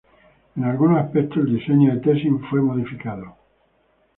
En algunos aspectos el diseño de Tessin fue modificado.